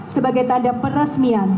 sebagai tanda peresmian